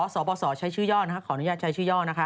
สบสใช้ชื่อย่อขออนุญาตใช้ชื่อย่อนะคะ